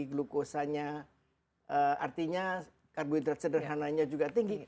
glukosanya artinya karbohidrat sederhananya juga tinggi